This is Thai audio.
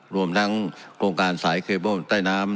รวมทั้งโครงการสายเคเบิ้ลใต้น้ำ